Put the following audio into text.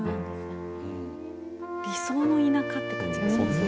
理想の田舎って感じがしますね。